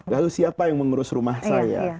lalu siapa yang mengurus rumah saya